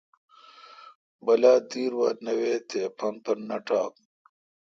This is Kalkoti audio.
بلا دیر وا نہ ویت تے اپان پر نہ نہ ٹاک